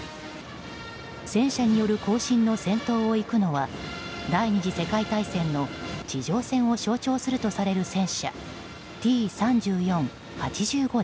戦車による行進の先頭を行くのは第２次世界大戦の地上戦を象徴するとされる戦車Ｔ３４／８５です。